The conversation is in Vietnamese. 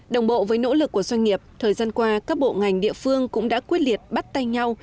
đồng bộ với nỗ lực của doanh nghiệp thời gian qua các bộ ngành địa phương cũng đã quyết liệt bắt tay nhau